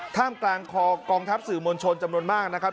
ท่ามกลางคอกองทัพสื่อมวลชนจำนวนมากนะครับ